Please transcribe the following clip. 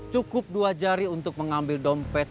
cukup dua jari untuk mengambil dompet